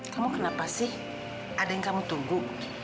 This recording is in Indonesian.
kamu kenapa sih ada yang kamu tunggu